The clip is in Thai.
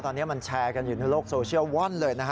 ตอนนี้มันแชร์กันอยู่ในโลกโซเชียลว่อนเลยนะฮะ